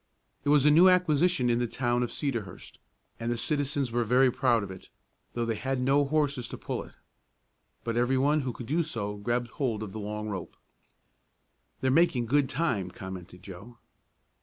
It was a new acquisition in the town of Cedarhurst, and the citizens were very proud of it, though they had no horses to pull it. But everyone who could do so grabbed hold of the long rope. "They're making good time," commented Joe.